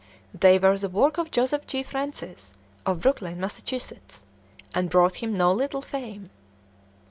They were the work of Joseph G. Francis, of Brookline, Mass., and brought him no little fame.